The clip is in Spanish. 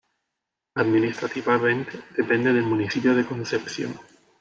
Administrativamente depende del municipio de Concepción.